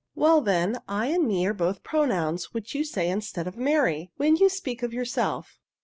" Well, then, /and me are both pronouns which you say, instead of Mary, when you speak of yourself.